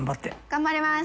頑張ります！